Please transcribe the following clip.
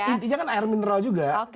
intinya kan air mineral juga